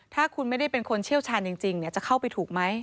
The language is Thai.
ถ้าคุณไม่ได้เป็นคนเชี่ยวชาญจริงจะเข้าไปถูกไหม